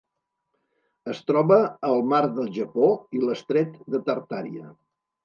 Es troba al mar del Japó i l'estret de Tartària.